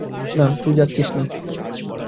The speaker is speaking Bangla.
না, তুই যাচ্ছিস না।